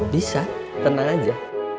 bisa tenang aja